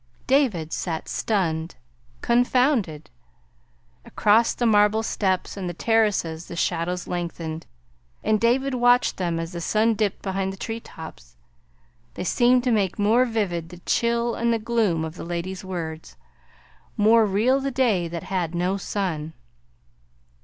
David sat stunned, confounded. Across the marble steps and the terraces the shadows lengthened, and David watched them as the sun dipped behind the tree tops. They seemed to make more vivid the chill and the gloom of the lady's words more real the day that had no sun.